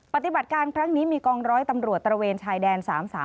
ปฏิบัติการครั้งนี้มีกองร้อยตำรวจตระเวนชายแดน๓๓